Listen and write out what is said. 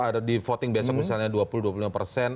ada di voting besok misalnya dua puluh dua puluh lima persen